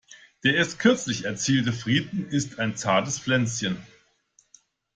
Der erst kürzlich erzielte Frieden ist ein zartes Pflänzchen.